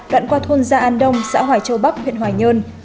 đoạn qua thôn gia an đông xã hoài châu bắc huyện hoài nhơn